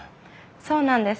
そうなんです。